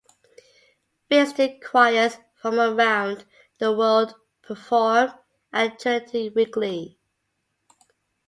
Visiting choirs from around the world perform at Trinity weekly.